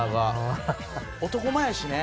男前やしね。